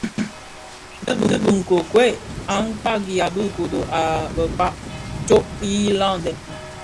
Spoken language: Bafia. Dhi bi nkokwei a kpagianë bi kodo a bekpag tsok yi landen.